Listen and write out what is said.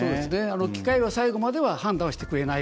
機械は最後までは判断してくれない。